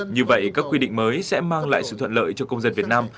như vậy các quy định mới sẽ mang lại sự thuận lợi cho công dân việt nam